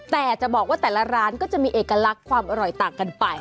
แต่จะบอกว่าแต่ละร้านก็จะมีเอกลักษณ์ความอร่อยต่างกันไป